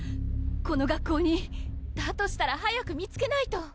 この学校にだとしたら早く見つけないと！